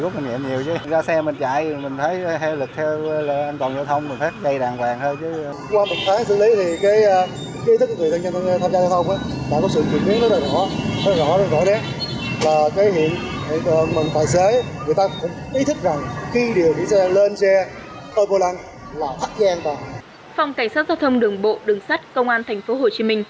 phòng cảnh sát giao thông đường bộ đường sắt công an tp hcm